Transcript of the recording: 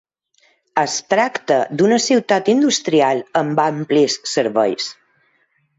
Es tracta d'una ciutat industrial amb amplis serveis.